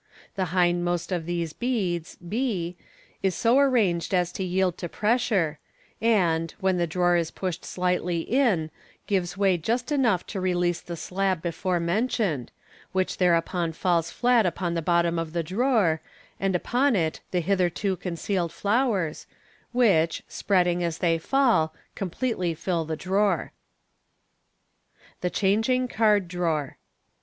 The hindmost of these beads, b, is so ar ranged as to yield to pressure, and, when the drawer is pushed slightly in, gives way just enough to release the slab before mentioned, which thereupon falls flat upon the bottom of the drawer, and upon it the hitherto concealed flowers, which, spreading as they fall, completely fill the drawer. The Changing Card Drawer.